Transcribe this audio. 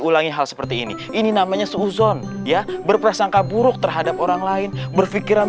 ulangi hal seperti ini ini namanya seuzon ya berprasangka buruk terhadap orang lain berpikiran